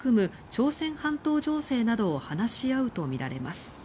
朝鮮半島情勢などを話し合うとみられます。